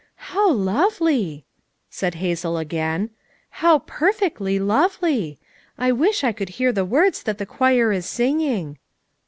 "How lovely l" said Hazel again. "How perfectly lovely! I wish I could hear the words that the choir is singing